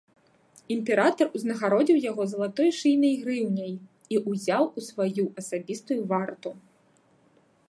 Імператар узнагародзіў яго залатой шыйнай грыўняй і ўзяў у сваю асабістую варту.